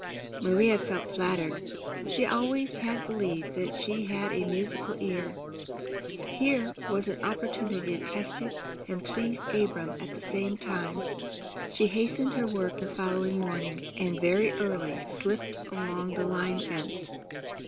Maria felt flattered. She always had believed that she had a musical ear. Here was an opportunity to test it and please Abram at the same time. She hastened her work the following morning, and very early slipped along the line fence.